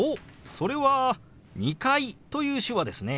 それは「２階」という手話ですね。